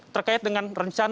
terkait dengan rencana